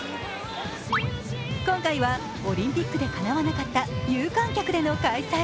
今回はオリンピックでかなわなかった有観客での開催。